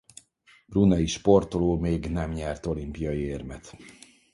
Brunei sportoló még nem nyert olimpiai érmet.